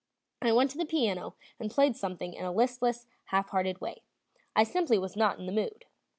I went to the piano and played something in a listless, half hearted way. I simply was not in the mood.